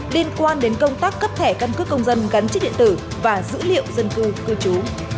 liên quan đến công tác cấp thẻ căn cước công dân gắn chip điện tử và dữ liệu dân cư cư trú